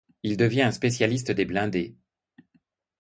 Il devient un spécialiste des blindés.